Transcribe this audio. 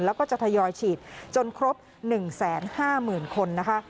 แล้วก็จะทยอยฉีดจนครบ๑๕๐๐๐คนนะคะ